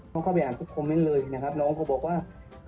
เข้าไปอ่านทุกคอมเมนต์เลยนะครับน้องเขาบอกว่า